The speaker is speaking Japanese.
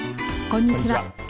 こんにちは。